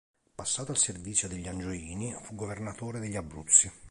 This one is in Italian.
Passato al servizio degli Angioini, fu governatore degli Abruzzi.